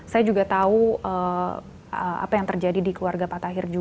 saya juga tahu apa yang terjadi di keluarga pak tahir juga